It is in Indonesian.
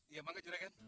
iya makasih juragan